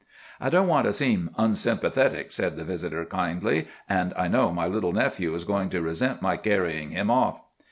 "I don't want to seem unsympathetic," said the visitor kindly, "and I know my little nephew is going to resent my carrying him off."